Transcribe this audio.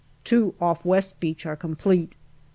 Two off West Beach are complete.